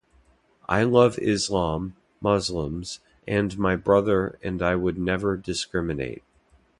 I love Islam, Muslims, and my brother and I would never discriminate.